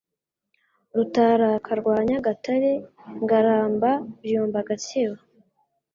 Rutaraka rwa Nyagatare Ngaramba Byumba Gatsibo